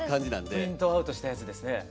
プリントアウトしたやつですね。